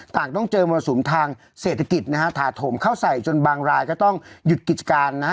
ต้องเจอมรสุมทางเศรษฐกิจนะฮะถาโถมเข้าใส่จนบางรายก็ต้องหยุดกิจการนะฮะ